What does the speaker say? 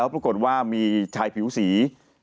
ปรากฏว่ามีชายผิวสี